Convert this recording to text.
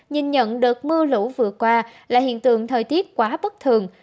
nhìn nhận đợt mưa lũ vừa qua là hiện tượng thời tiết quá bất thường